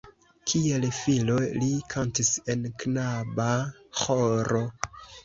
Kiel filo li kantis en knaba ĥoro.